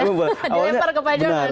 di lebar ke pak jonan